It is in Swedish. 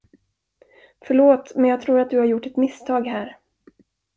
Förlåt, men jag tror att du har gjort ett misstag här.